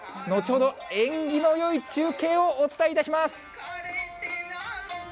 後ほど縁起のよい中継をお伝えいたします。